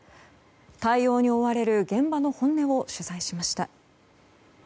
対応に追われる現場の本音を取材しました。